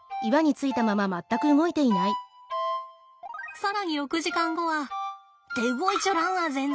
更に６時間後はって動いちょらんわ全然！